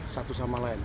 satu sama lain